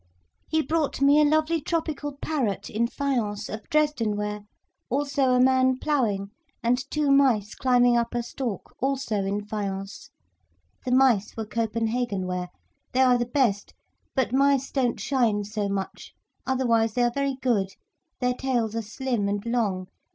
He brought me a lovely tropical parrot in faience, of Dresden ware, also a man ploughing, and two mice climbing up a stalk, also in faience. The mice were Copenhagen ware. They are the best, but mice don't shine so much, otherwise they are very good, their tails are slim and long.